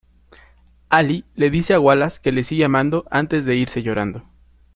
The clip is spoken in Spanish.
Ally le dice a Wallace que le sigue amando antes de irse llorando.